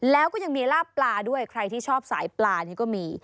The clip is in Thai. แล้วก็ยังมีลาบปลาด้วยใครที่ชอบสายปลานี่ก็มี